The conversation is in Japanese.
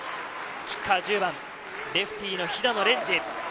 キッカー・１０番、レフティーの肥田野蓮治。